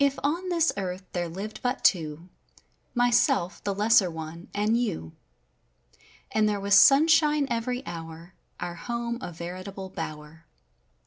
ON this earth there lived but two — my¬ self, the lesser one, and you. And there was sun¬ shine every hour, our home averitable bower.